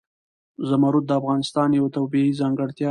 زمرد د افغانستان یوه طبیعي ځانګړتیا ده.